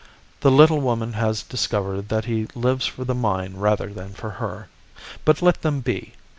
The little woman has discovered that he lives for the mine rather than for her. But let them be.